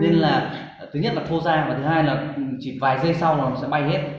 nên là thứ nhất là thô ra và thứ hai là chỉ vài giây sau là nó sẽ bay hết